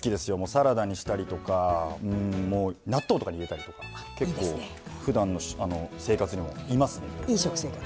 サラダにしたりとか納豆とかに入れたりとか結構、ふだんの生活にもいますね。